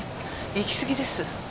行きすぎです。